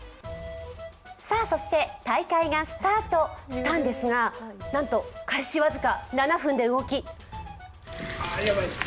そして大会がスタートしたんですが、なんと開始僅か７分で動き。